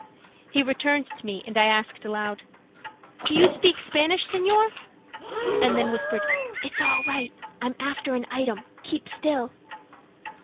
He returned to me and I asked aloud: "Do you speak Spanish, senor?" and then whispered, "It's all right. I'm after an item. Keep still."